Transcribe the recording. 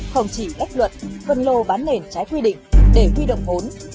không chỉ đắc luận phân lô bán nền trái quy định để huy động vốn